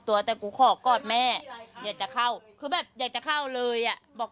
ตัวแต่กูขอกอดแม่อยากจะเข้าคือแบบอยากจะเข้าเลยอ่ะบอก